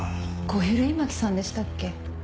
小比類巻さんでしたっけ？